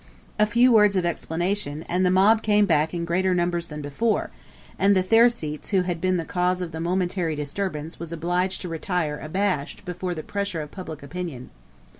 A few words of explanation, and the mob came back in greater numbers than before; and the Thersites who had been the cause of the momentary disturbance was obliged to retire abashed before the pressure of public opinion.